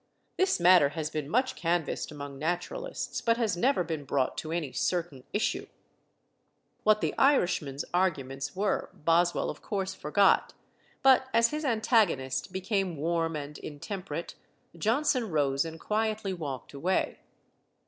This matter has been much canvassed among naturalists, but has never been brought to any certain issue." What the Irishman's arguments were, Boswell of course forgot, but as his antagonist became warm and intemperate, Johnson rose and quietly walked away.